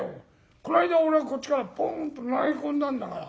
この間俺がこっちからポンと投げ込んだんだから。